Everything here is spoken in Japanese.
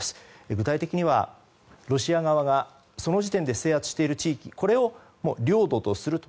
具体的には、ロシア側がその時点で制圧している地域を領土とすると。